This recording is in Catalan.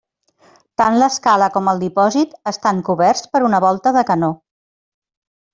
Tant l'escala com el dipòsit estan coberts per una volta de canó.